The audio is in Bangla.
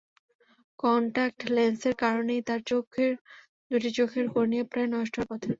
কন্টাক্ট লেন্সের কারণেই তাঁর দুটি চোখের কর্নিয়া প্রায় নষ্ট হওয়ার পথে।